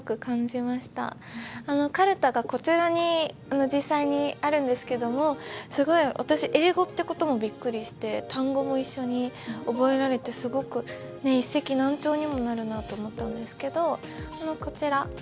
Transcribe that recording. かるたがこちらに実際にあるんですけどもすごい私英語ってこともびっくりして単語も一緒に覚えられてすごく一石何鳥にもなるなと思ったんですけどこちら。